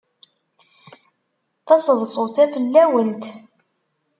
Taseḍsut-a fell-awent.